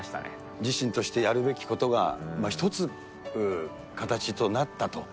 自身としてやるべきことが一つ形となったと。